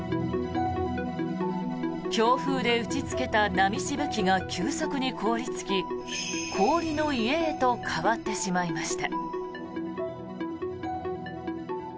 強風で打ちつけた波しぶきが急速に凍りつき氷の家へと変わってしまいました。